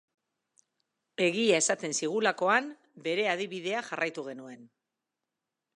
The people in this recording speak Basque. Egia esaten zigulakoan, bere adibidea jarraitu genuen.